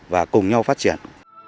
và cùng nhau phát triển